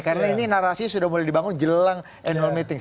karena ini narasinya sudah mulai dibangun jelang annual meeting